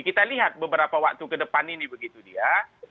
kita lihat beberapa waktu kedepan ini begitu dia